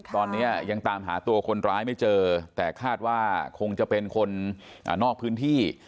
ตอนนี้ยังตามหาตัวคนร้ายไม่เจอแต่คาดว่าคงจะเป็นคนนอกพื้นที่